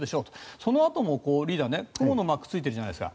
そのあともリーダー雲のマークがついているじゃないですか。